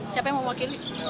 siapa yang mau mewakili